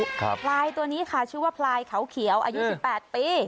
พลายตัวนี้ค่ะชื่อว่าพลายเขาเขียวอายุสิบแปดปี